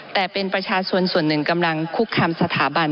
แต่เป็นประชาชนส่วนหนึ่งกำลังคุกคามสถาบัน